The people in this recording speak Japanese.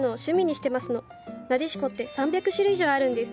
ナデシコって３００種類以上あるんです。